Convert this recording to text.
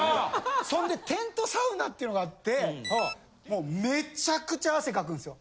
そんでテントサウナっていうのがあってもうめちゃくちゃ汗かくんすよ。